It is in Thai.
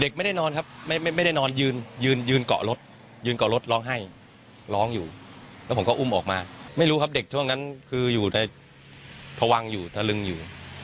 ไม่ได้นอนครับไม่ได้นอนยืนยืนเกาะรถยืนเกาะรถร้องไห้ร้องอยู่แล้วผมก็อุ้มออกมาไม่รู้ครับเด็กช่วงนั้นคืออยู่แต่พวังอยู่ทะลึงอยู่